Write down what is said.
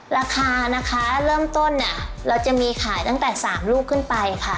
ราคานะคะเริ่มต้นเนี่ยเราจะมีขายตั้งแต่๓ลูกขึ้นไปค่ะ